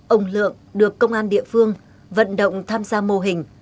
ông lượng được công an địa phương vận động tham gia mô hình